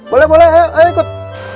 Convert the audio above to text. boleh boleh ayo ikut